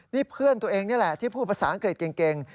นี่เพื่อนตัวเองนี่แหละที่พูดภาษาอังกฤษเก่ง